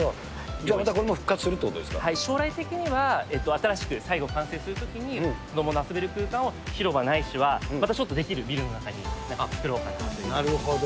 じゃあまた、将来的には、新しく最後完成するときに、子どもの遊べる空間を、広場ないしはまたちょっと出来るビルの中に作ろうかなというふうなるほど。